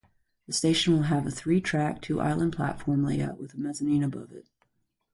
The station will have a three-track, two-island platform layout with a mezzanine above it.